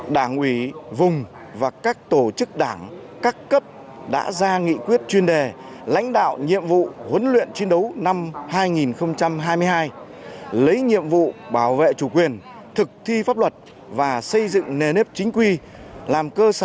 đảng ủy vùng và các tổ chức đảng các cấp đã ra nghị quyết chuyên đề lãnh đạo nhiệm vụ huấn luyện chiến đấu năm hai nghìn hai mươi hai